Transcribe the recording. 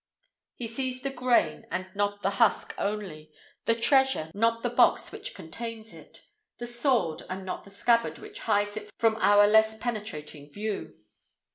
He sees the grain, and not the husk only; the treasure, not the box which contains it; the sword, and not the scabbard which hides it from our less penetrating view.